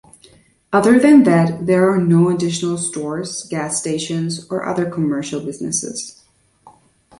Other than that, there are no additional stores, gas stations, or other commercial businesses.